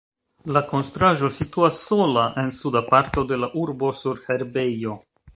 La konstruaĵo situas sola en suda parto de la urbo sur herbejo.